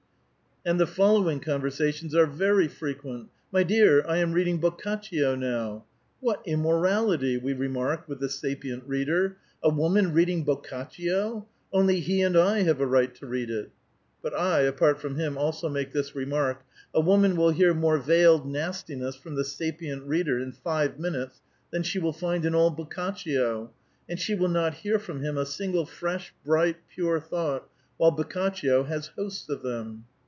And the following conversations are very frequent :— '"My dear, I am reading Boccaccio now" (" What immo rality I " we remark with the sapient reader —" a woman read ing Boccaccio ; only he and I have a right to read it." But I, apart from him, also make this remark, '^ A woman will hear more veiled nastiuess from the sapient reader in five minutes tlian she will find in all Boccaccio, and she will not hear from him a single fresh, bright, pure thought, while Boccaccio has hosts of them